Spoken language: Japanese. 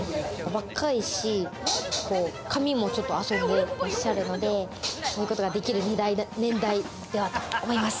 若いし髪もちょっと遊んでらっしゃるので、そういうことができる年代だと思います。